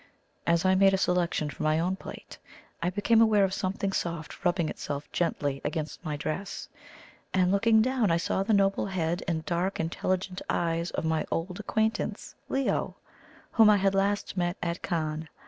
As I made a selection for my own plate, I became aware of something soft rubbing itself gently against my dress; and looking down, I saw the noble head and dark intelligent eyes of my old acquaintance Leo, whom I had last met at Cannes.